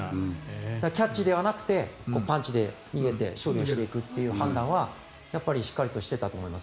キャッチではなくてパンチで逃げて処理をしていくという判断はしっかりとしていたと思います。